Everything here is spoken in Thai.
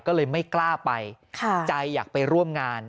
ก็เลยไม่กล้าไปใจอยากไปร่วมงาน